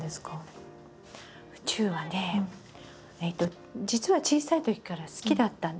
宇宙はね実は小さいときから好きだったんですけど。